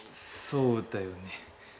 そうだよね。